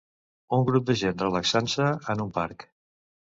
Un grup de gent relaxant-se en un parc.